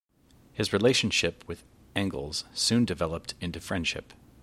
His relationship with Engels soon developed into friendship.